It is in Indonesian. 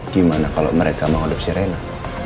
gimana kalau mereka mengadopsi rena